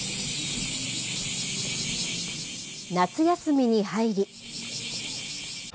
夏休みに入り。